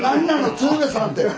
鶴瓶さんって。